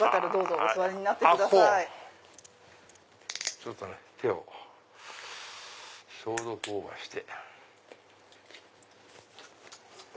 ちょっと手を消毒して。